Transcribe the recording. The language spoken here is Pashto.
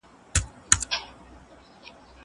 زه اوږده وخت مڼې خورم!؟